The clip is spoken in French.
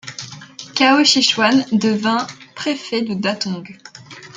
Cao Shixuan devint préfet de Datong.